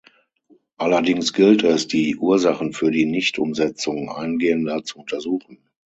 Allerdings gilt es, die Ursachen für die Nicht-Umsetzung eingehender zu untersuchen.